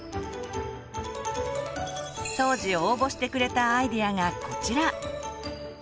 当時応募してくれたアイデアがこちら。